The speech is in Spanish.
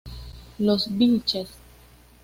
Los Vílchez